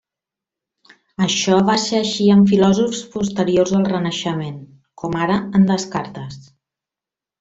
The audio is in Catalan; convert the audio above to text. Això va ser així en filòsofs posteriors al Renaixement, com ara en Descartes.